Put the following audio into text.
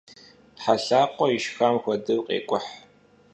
Helakhue yişşxam xuedeu khêk'uh.